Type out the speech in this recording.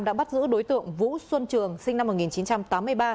đã bắt giữ đối tượng vũ xuân trường sinh năm một nghìn chín trăm tám mươi ba